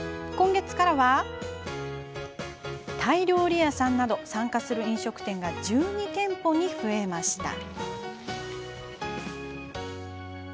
今月からはタイ料理屋さんなど参加する飲食店が１２店舗に増えました。